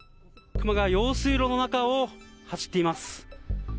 熊が用水路の中を走っています。